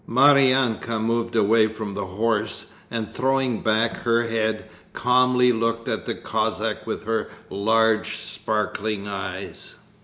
Maryanka moved away from the horse and throwing back her head calmly looked at the Cossack with her large sparkling eyes.